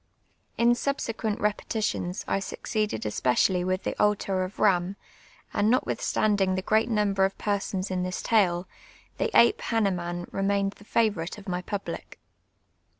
In 8ubst>qucnt repetitions I succeeded esjx.'eiallv with the Altar of lliini ; and notwithstandinj!: the preat number of persona in this tide, the ape llannemium remained the favorite of my public.